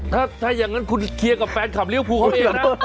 ถ้าอย่างนั้นคุณเคลียร์กับแฟนคลับลิวภูเขาเองนะ